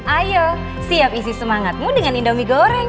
ayo siap isi semangatmu dengan indomie goreng